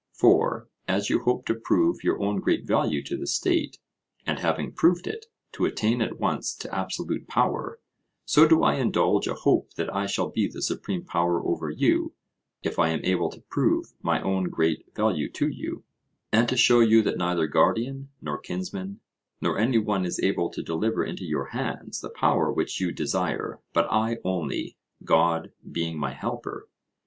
For, as you hope to prove your own great value to the state, and having proved it, to attain at once to absolute power, so do I indulge a hope that I shall be the supreme power over you, if I am able to prove my own great value to you, and to show you that neither guardian, nor kinsman, nor any one is able to deliver into your hands the power which you desire, but I only, God being my helper.